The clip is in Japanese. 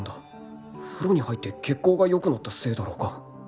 風呂に入って血行が良くなったせいだろうか